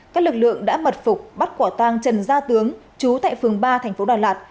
các lực lượng đã mật phục bắt quả tang trần gia tướng chú tại phường ba thành phố đà lạt